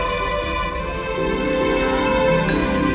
itu benar sekali